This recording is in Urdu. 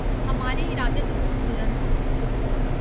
ہمارے ارادے تو بہت بلند ہوں۔